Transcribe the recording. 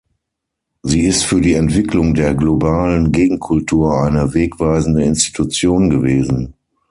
Sie ist für die Entwicklung der globalen Gegenkultur eine wegweisende Institution gewesen.